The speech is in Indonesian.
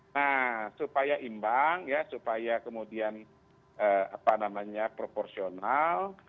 nah supaya imbang ya supaya kemudian apa namanya proporsional